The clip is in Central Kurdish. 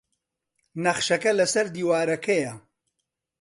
نەخشەکە لەسەر دیوارەکەیە.